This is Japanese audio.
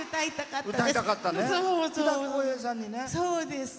そうです！